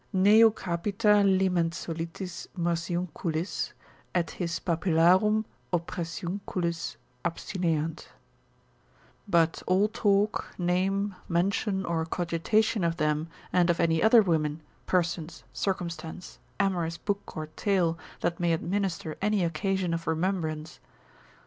Neu capita liment solitis morsiunculis, Et his papillarum oppressiunculis Abstineant:——— but all talk, name, mention, or cogitation of them, and of any other women, persons, circumstance, amorous book or tale that may administer any occasion of remembrance.